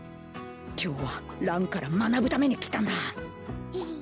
今日はランから学ぶために来たんだヘヘッ。